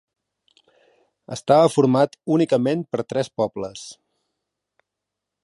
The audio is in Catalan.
Estava format únicament per tres pobles.